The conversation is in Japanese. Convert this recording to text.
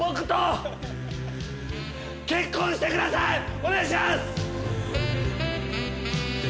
お願いします。